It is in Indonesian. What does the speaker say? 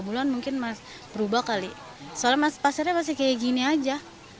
enam bulan mungkin mas berubah kali soalnya pasarnya masih kayak gini aja